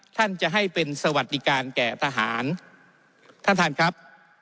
ท่านจะให้เป็นสวัสดิการแก่ทหารท่านท่านครับ